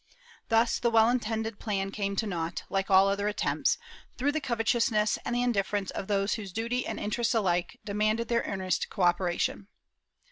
^ Thus this well intended plan came to naught, like all other attempts, through the covetousness and indifference of those whose duty and interests alike demanded their earnest co operation.